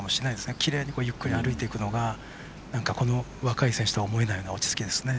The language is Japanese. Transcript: きれいにゆっくり歩いてくるのが若い選手とは思えない落ち着きですね。